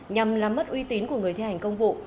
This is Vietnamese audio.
nhằm làm mất uy tín của người thi hành công vụ